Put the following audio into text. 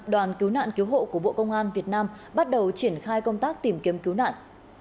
đoàn cứu nạn cứu hộ của bộ công an việt nam bắt đầu triển khai công tác tìm kiếm cứu nạn